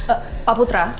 eh pak putra